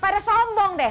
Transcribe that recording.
pada sombong deh